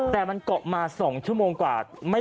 เห็นบ้างไหมไอขาวนี้